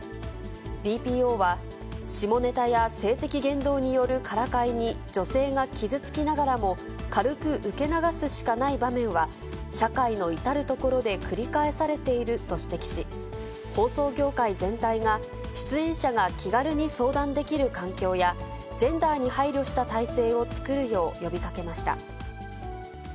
ＢＰＯは、下ネタや性的言動によるからかいに女性が傷つきながらも、軽く受け流すしかない場面は、社会の至る所で繰り返されていると指摘し、放送業界全体が出演者が気軽に相談できる環境や、ジェンダーに配慮した体制を作るよう呼びかけました。